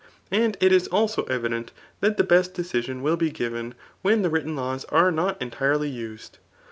And it is also evident that the best decision will then be given, when the written hm tte not entirely used.